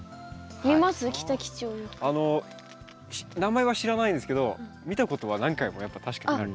あの名前は知らないんですけど見たことは何回もやっぱ確かにある。